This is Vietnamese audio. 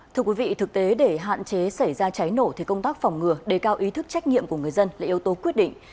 thưa quý vị thực tế để hạn chế xảy ra cháy nổ thì công tác phòng ngừa đề cao ý thức trách nhiệm của người dân là yếu tố quyết định